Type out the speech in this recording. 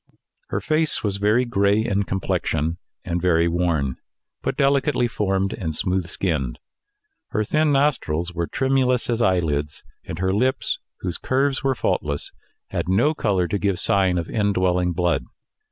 Her face was very gray in complexion, and very worn, but delicately formed, and smooth skinned. Her thin nostrils were tremulous as eyelids, and her lips, whose curves were faultless, had no colour to give sign of indwelling blood.